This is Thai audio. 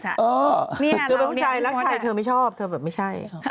แต่ตัวมองใจร่างชายเธอไม่ชอบเธอแบบไม่ใช่